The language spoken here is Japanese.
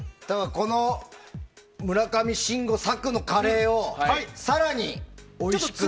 この村上信五作のカレーを更においしくというか。